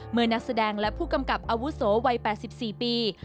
นักแสดงและผู้กำกับอาวุโสวัย๘๔ปี